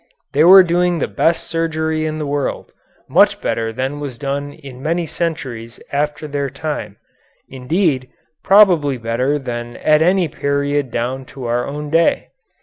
They were doing the best surgery in the world, much better than was done in many centuries after their time; indeed, probably better than at any period down to our own day.